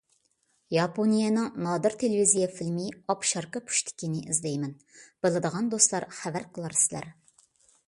ياپونىيەنىڭ نادىر تېلېۋىزىيە فىلىمى «ئاپشاركا پۇشتىكى» نى ئىزدەيمەن. بىلىدىغان دوستلار خەۋەر قىلارسىلەر.